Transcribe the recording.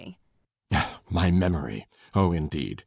] My memory? Oh, indeed!